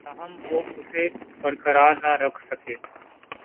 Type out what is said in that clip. تاہم وہ اسے برقرار نہ رکھ سکے